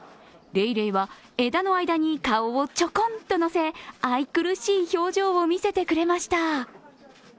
レイレイは枝の間に顔をちょこんとのせ愛くるしい表情を見せてくれました。